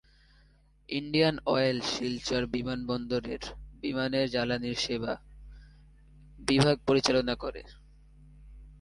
Indian oil Silchar বিমানবন্দরের বিমানের জ্বালানি সেবা বিভাগ পরিচালনা করে।